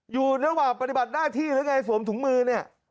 อยู่ระหว่างปฏิบัติหน้าที่หรือไงสวมถุงมือเนี่ย